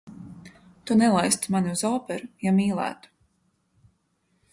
Tu nelaistu mani uz operu, ja mīlētu!